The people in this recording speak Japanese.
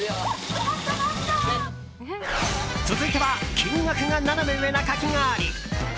続いては金額なナナメ上なかき氷。